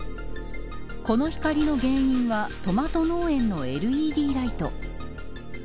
この光の原因はトマト農園のＬＥＤライト。